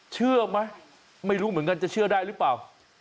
เชื่อไหมไม่รู้เหมือนกันจะเชื่อได้หรือเปล่า